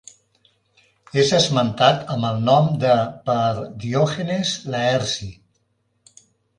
És esmentat amb el nom de per Diògenes Laerci.